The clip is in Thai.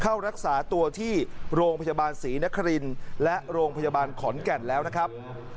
เข้ารักษาตัวที่โรงพยาบาลศรีนครินและโรงพยาบาลขอนแก่นแล้วนะครับ